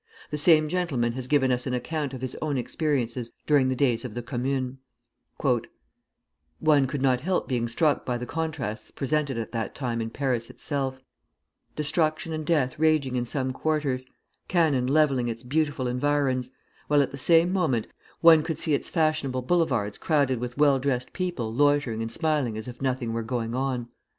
The same gentleman has given us an account of his own experiences during the days of the Commune: "One could not help being struck by the contrasts presented at that time in Paris itself: destruction and death raging in some quarters, cannon levelling its beautiful environs, while at the same moment one could see its fashionable Boulevards crowded with well dressed people loitering and smiling as if nothing were going on.